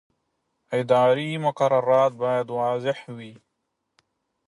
اداري مقررات باید واضح وي.